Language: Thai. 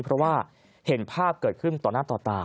เพราะว่าเห็นภาพเกิดขึ้นต่อหน้าต่อตา